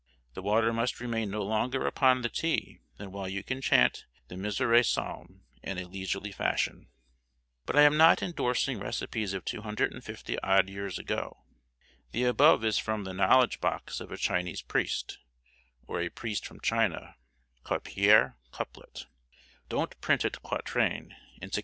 The water must remain no longer upon the tea than while you can chant the Miserere psalm in a leisurely fashion." But I am not indorsing recipes of 250 odd years ago. The above is from the knowledge box of a Chinese priest, or a priest from China, called Père Couplet (don't print it Quatrain), in 1667.